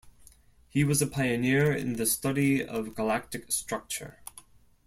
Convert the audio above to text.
He was a pioneer in the study of galactic structure.